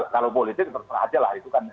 kalau politik terserah aja lah itu kan